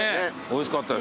おいしかった。